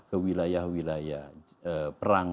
ke wilayah wilayah perang